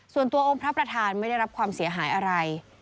องค์พระประธานไม่ได้รับความเสียหายอะไร